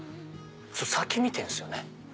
先見てるんすよね